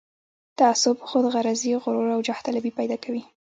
تعصب، خودغرضي، غرور او جاه طلبي پيدا کوي.